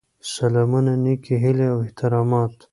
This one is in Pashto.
سلامونه نیکې هیلې او احترامات.